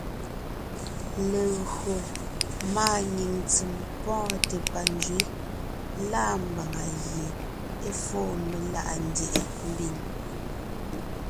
Légÿo máanyìŋ ntsèm pɔ́ɔnte panzwɛ̌ lâ mbàŋa gie é fóo meláʼa ndyɛ̀ʼɛ mbiŋ.